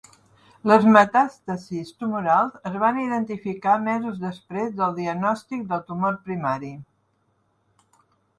Les metàstasis tumorals es van identificar mesos després del diagnòstic del tumor primari.